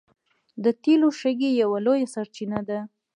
د تیلو شګې یوه لویه سرچینه ده.